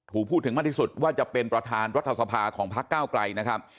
ผู้พูดถึงมากที่สุดว่าจะเป็นประธานวัฒนาสภาของภาคก้าวกลัยนะครับ